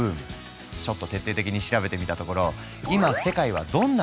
ちょっと徹底的に調べてみたところ